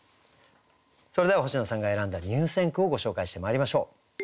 それでは星野さんが選んだ入選句をご紹介してまいりましょう。